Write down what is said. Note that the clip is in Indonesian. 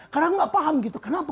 karena gak paham gitu kenapa